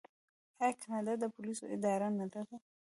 آیا کاناډا د پولیسو اداره نلري؟